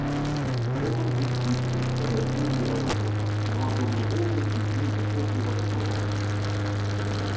Голий був здібний, енергійний ватажок, мав добру голову і вмів захоплювати козацтво.